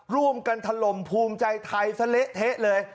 ร่วมกันถล่มภูมิใจไทยซะเละเทะเลย